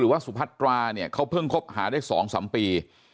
แล้วก็ยัดลงถังสีฟ้าขนาด๒๐๐ลิตร